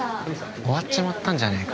終わっちまったんじゃねえか？